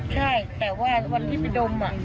แต่ว่าวันที่ไปดมอะ